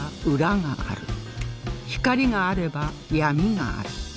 光があれば闇がある